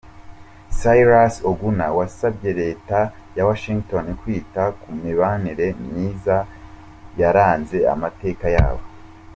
Cyrus Oguna wasabye Leta ya Washington kwita ku mibanire myiza yaranze amateka yabo.